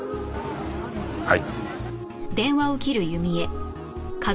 はい。